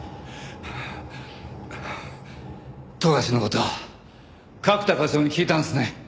冨樫の事角田課長に聞いたんですね？